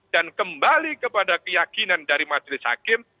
dan kembali kepada keyakinan dari majelis hakim